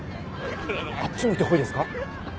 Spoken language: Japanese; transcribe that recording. あっち向いてほいですか？